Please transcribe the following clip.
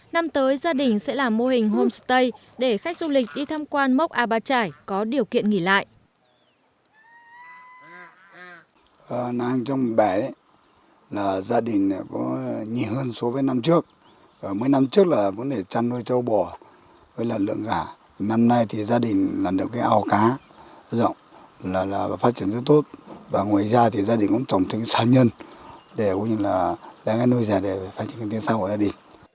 năm tới gia đình sẽ làm mô hình homestay để khách du lịch đi thăm quan mốc a ba trải có điều kiện nghỉ lại